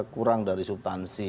kurang dari subtansi